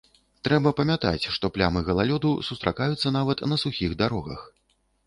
Трэба памятаць, што плямы галалёду сустракаюцца нават на сухіх дарогах.